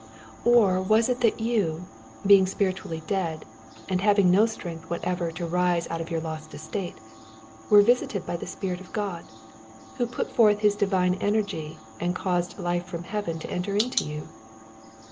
Or was it that you, being spiritually dead, and having no strength whatever to rise out of your lost estate, were visited by the Spirit of God, who put forth his divine energy, and caused life from heaven to enter into you